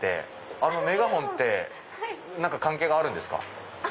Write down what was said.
あのメガホンって何か関係があるんですか？